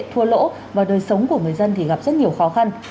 thua lỗ và đời sống của người dân thì gặp rất nhiều khó khăn